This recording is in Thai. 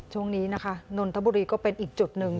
ช่วงนี้นะคะนนทบุรีก็เป็นอีกจุดหนึ่ง